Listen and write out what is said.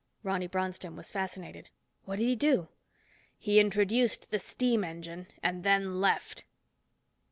Ronny Bronston was fascinated. "What'd he do?" "He introduced the steam engine, and then left."